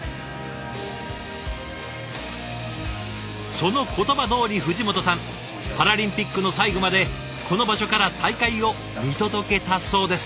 その言葉どおり藤本さんパラリンピックの最後までこの場所から大会を見届けたそうです。